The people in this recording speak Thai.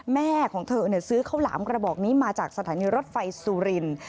แม่ของเธอซื้อข้าวหลามกระบอกนี้มาจากสถานีรถไฟสุรินทร์